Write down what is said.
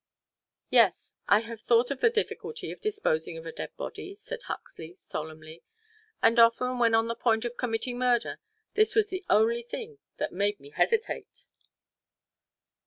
"Yes, I have thought of the difficulty of disposing of a dead body," said Huxley, solemnly; "and often when on the point of committing murder this was the only thing that made me hesitate!"